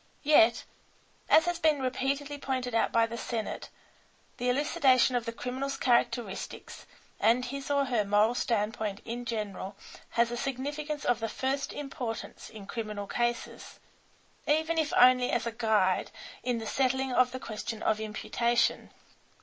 Yet, as has been repeatedly pointed out by the Senate, the elucidation of the criminal's characteristics and his or her moral standpoint in general has a significance of the first importance in criminal cases, even if only as a guide in the settling of the question of imputation.